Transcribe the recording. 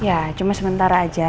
ya cuma sementara aja